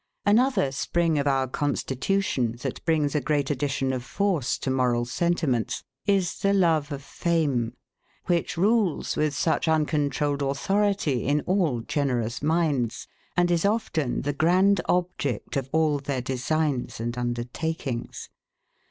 Another spring of our constitution, that brings a great addition of force to moral sentiments, is the love of fame; which rules, with such uncontrolled authority, in all generous minds, and is often the grand object of all their designs and undertakings.